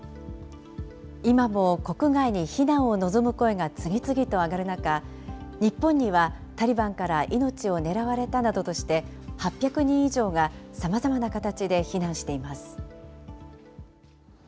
今も国外に避難を望む声が次々と上がる中、日本にはタリバンから命を狙われたなどとして８００人以上がさまざまな形で避難しています。